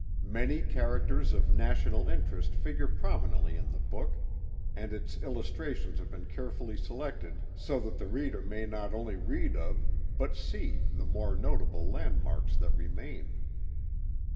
Many characters of national interest figure prominently in the book, and its illustrations have been V vi Preface carefully selected so that the reader may not only read of, but see, the more notable landmarks that remain.